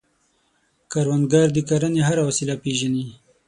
کروندګر د کرنې هره وسیله پېژني